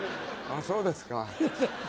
あっそうですか。